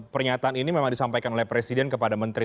pernyataan ini memang disampaikan oleh presiden kepada menteri